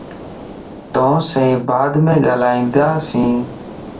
توسين بعد م ڳالھيائنداس